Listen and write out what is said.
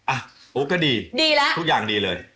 อ้าวก็ดีทุกอย่างดีเลยดีแล้ว